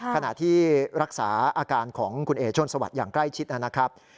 ขณะที่รักษาอาการของคุณเอ๋ชนสวัสดิ์อย่างใกล้ชิดนะครับ